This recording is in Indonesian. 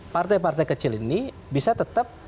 partai partai kecil ini bisa tetap